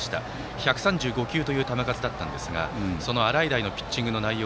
１３５球という球数だったんですが洗平のピッチングの内容